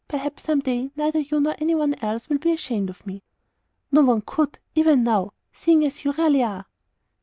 Perhaps, some day, neither you nor any one else will be ashamed of me." "No one could, even now, seeing you as you really are."